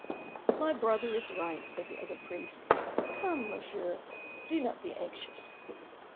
"My brother is right," said the other priest. "Come, monsieur; do not be anxious."